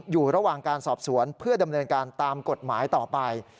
อยู่ระหว่างการสอบสวนเพื่อดำเนินการตามกฎหมายต่อไป